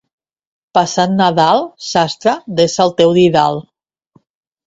Passat Nadal, sastre, desa el teu didal.